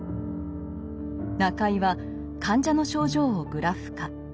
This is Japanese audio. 中井は患者の症状をグラフ化。